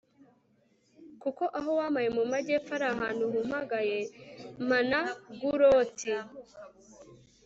kuko aho wampaye mu majyepfo ari ahantu humagaye; mpa na guloti